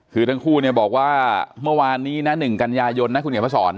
คือทั้งคู่เนี่ยบอกว่าเมื่อวานนี้นะ๑กันยายนนะคุณเขียนมาสอน